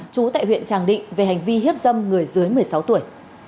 trú tại huyện tràng định về hành vi hiếp dâm người dưới một mươi sáu tuổi